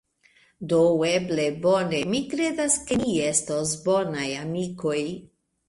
Do eble, bone, mi kredas ke ni estos bonaj amikoj